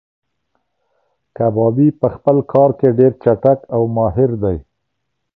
کبابي په خپل کار کې ډېر چټک او ماهیر دی.